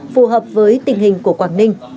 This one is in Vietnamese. phù hợp với tình hình của quảng ninh